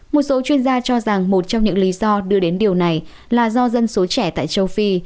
một số chuyên gia cho rằng một trong những lý do đưa đến điều này là do dân số trẻ tại châu phi